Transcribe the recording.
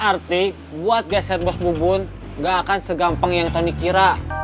arti buat geser bos bubun gak akan segampang yang tony kira